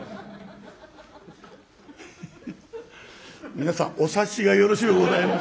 皆さんお察しがよろしゅうございます。